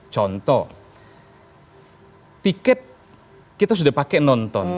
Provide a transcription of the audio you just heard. contoh tiket kita sudah pakai nonton